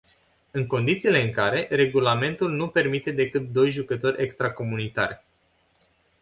În condițiile în care regulamentul nu permite decât doi jucători extracomunitari.